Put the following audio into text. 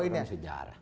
ya itu yang sejarah